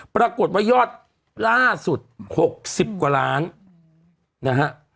ปรากฏว่ายอดล่าสุด๖๐กว่าล้านนะฮะ